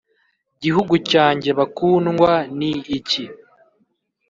gihugu cyanjye bakundwa ni iki